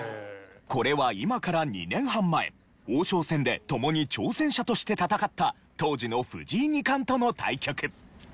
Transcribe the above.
これは今から２年半前王将戦で共に挑戦者として戦った当時の藤井二冠との対局。